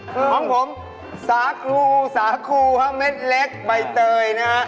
ของผมสาครูสาครูเพราะเม็ดเล็กใบเตยนะครับ